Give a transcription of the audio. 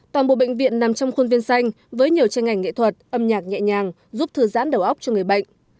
toàn bộ bệnh viện nằm trong khuôn viên xanh với nhiều tranh ảnh nghệ thuật âm nhạc nhẹ nhàng giúp thư giãn đầu óc cho người bệnh